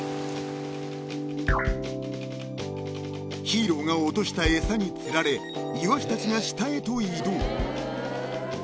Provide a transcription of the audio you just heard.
［ヒーローが落とした餌に釣られイワシたちが下へと移動］